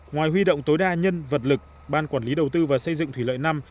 ngoài huy động tối đa nhân vật lực ban quản lý đầu tư và xây dựng thủy lợi năm